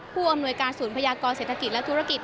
ผู้อำนวยการศูนย์พยากรเศรษฐกิจและธุรกิจ